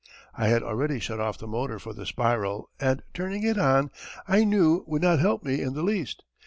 I had already shut off the motor for the spiral, and turning it on, I knew, would not help me in the least.